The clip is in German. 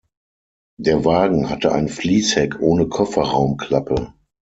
Der Wagen hatte ein Fließheck ohne Kofferraumklappe.